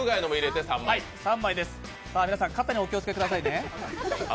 皆さん肩にお気をつけくださいね。